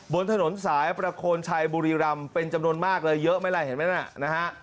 บนถนนสายประโคนชัยบุรีรำเป็นจำนวนมากเลยเยอะไหมล่ะเห็นไหมน่ะนะฮะ